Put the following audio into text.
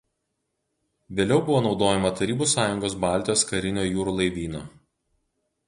Vėliau buvo naudojama Tarybų Sąjungos Baltijos karinio jūrų laivyno.